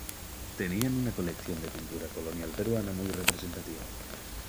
Tenían una colección de pintura colonial peruana muy representativa.